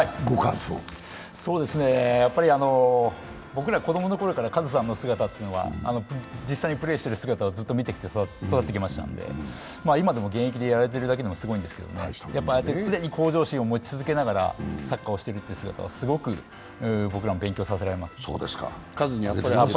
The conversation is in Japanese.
僕ら子供のころからカズさんの実際にプレーしてる姿を見て育ってましたので、今でも現役でやられてるだけでもすごいんですけどね、ああやって常に向上心を持ち続けながらサッカーをしている姿はすごく僕らも勉強させられます。